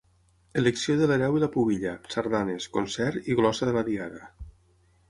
Elecció de l'hereu i la pubilla, sardanes, concert i glossa de la diada.